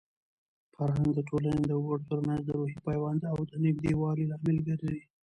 فرهنګ د ټولنې د وګړو ترمنځ د روحي پیوند او د نږدېوالي لامل ګرځي.